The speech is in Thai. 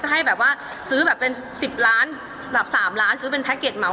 ให้แบบว่าซื้อแบบเป็น๑๐ล้านแบบ๓ล้านซื้อเป็นแพ็กเกจเหมา